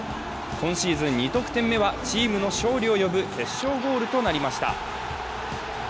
今シーズン２得点目は、チームの勝利を呼ぶ決勝ゴールとなりました。